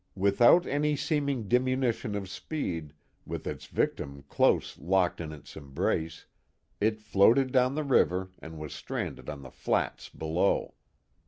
Without any seeming diminution of speed. with its victim close locked in its embrace, it floated down the river and was stranded on the flats below.